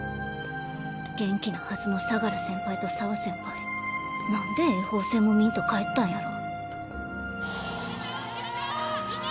元気なはずの相楽先輩と沢先輩なんで英邦戦も見んと帰ったんやろ。